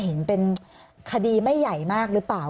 เห็นเป็นคดีไม่ใหญ่มากหรือเปล่า